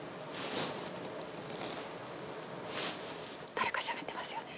誰かしゃべってますよね？